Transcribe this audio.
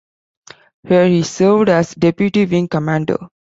Here he served as deputy wing commander.